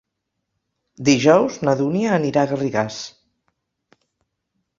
Dijous na Dúnia anirà a Garrigàs.